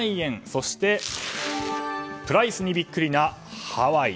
そして、プライスにビックリなハワイ。